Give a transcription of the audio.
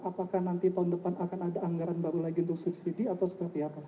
apakah nanti tahun depan akan ada anggaran baru lagi untuk subsidi atau seperti apa